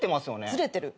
ずれてる？